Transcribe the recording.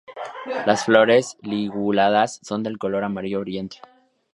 Las flores liguladas son de color amarillo brillante.